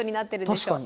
確かに。